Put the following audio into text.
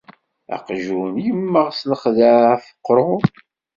Aqjun yemmeɣ s lexdeɛ ɣef uqrur.